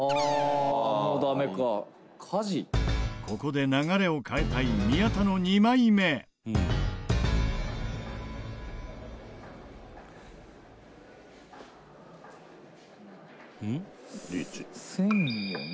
ここで流れを変えたいうん？